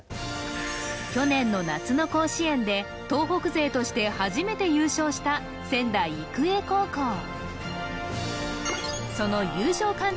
去年の夏の甲子園で東北勢として初めて優勝した仙台育英高校その優勝監督